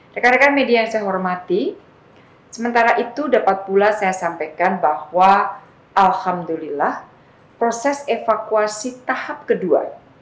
rekan rekan media yang saya hormati sementara itu dapat pula saya sampaikan bahwa alhamdulillah proses evakuasi tahap kedua